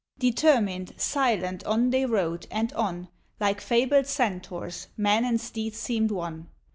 Determined, silent, on they rode, and on, Like fabled Centaurs, men and steeds seemed one.